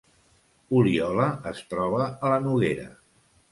Oliola es troba a la Noguera